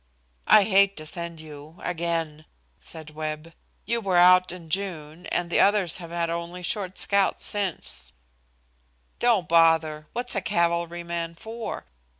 "I hate to send you again," said Webb. "You were out in June, and the others have had only short scouts since " "Don't bother. What's a cavalryman for?